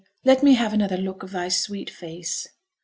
let me have another look of thy sweet face.'